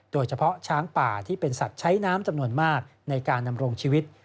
โดยเฉพาะช้างป่าที่เป็นสัตว์ใช้น้ำจำนวนมากในการดำรงชีวิต